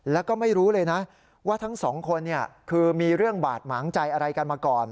แล้วก็ไม่รู้เลยนะว่าทั้งสองคนคือมีเรื่องบาดหมางใจอะไรกันมาก่อน